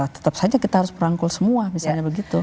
tetap saja kita harus merangkul semua misalnya begitu